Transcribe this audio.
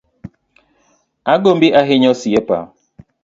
Agombi ahinya osiepa